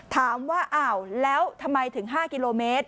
ถามว่าอ้าวแล้วทำไมถึง๕กิโลเมตร